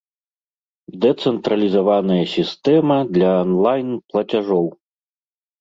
Дэцэнтралізаваная сістэма для анлайн-плацяжоў!